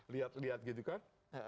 lihat lihat gitu kan